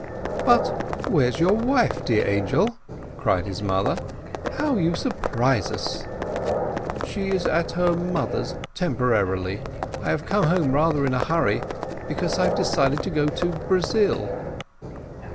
"But—where's your wife, dear Angel?" cried his mother. "How you surprise us!" "She is at her mother's—temporarily. I have come home rather in a hurry because I've decided to go to Brazil."